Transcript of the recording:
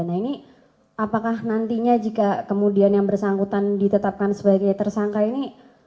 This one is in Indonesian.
nah ini apakah nantinya jika kemudian yang bersangkutan ditetapkan sebagai tersangka ini